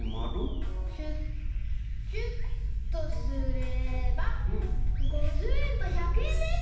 キュッキュッとすれば５０えんと１００えんです！